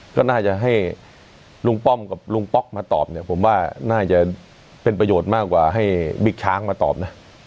ก็น่าจะให้ลุงป้อมกับลุงป๊อกมาตอบเนี่ยผมว่าน่าจะเป็นประโยชน์มากกว่าให้บิ๊กช้างมาตอบนะ